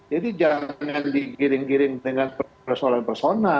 jadi jangan digiring giring dengan persoalan persoalan